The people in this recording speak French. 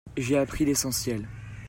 J'ai appris l'essentiel.